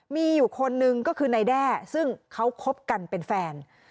มีอยู่คนนึงก็คือนายแด้ซึ่งเขาคบกันเป็นแฟน